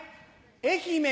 愛媛